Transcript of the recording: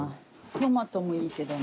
トマトもいいけどな。